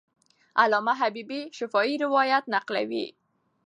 علامه حبیبي شفاهي روایت نقلوي.